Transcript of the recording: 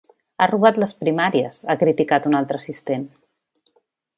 “Ha robat les primàries!”, ha criticat un altre assistent.